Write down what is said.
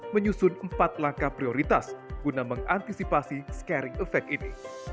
menyusun empat langkah prioritas guna mengantisipasi scaring effect ini